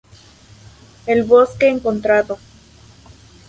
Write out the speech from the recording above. El Bosque Encontrado.